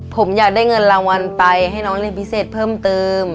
ผมอยากได้เงินรางวัลไปให้น้องเรียนพิเศษเพิ่มเติม